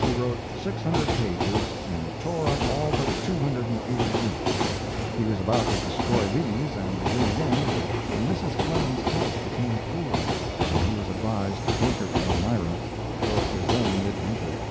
He wrote six hundred pages and tore up all but two hundred and eighty eight. He was about to destroy these and begin again, when Mrs. Clemens's health became poor and he was advised to take her to Elmira, though it was then midwinter.